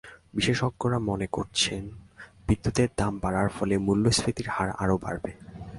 বিশেষজ্ঞরা মনে করছেন, বিদ্যুতের দাম বাড়ানোর ফলে মূল্যস্ফীতির হার আবারও বাড়বে।